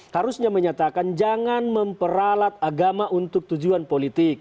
harusnya menyatakan jangan memperalat agama untuk tujuan politik